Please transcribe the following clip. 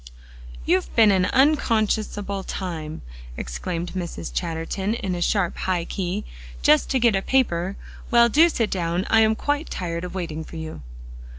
"You've been an unconscionable time," exclaimed Mrs. Chatterton in a sharp, high key, "just to get a paper. Well, do sit down; I am quite tired waiting for you."